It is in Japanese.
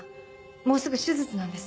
もうすぐ手術なんです。